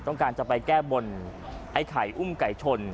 ต้องการจะไปแก้บนไอ้ไข่อุ้มไก่ชน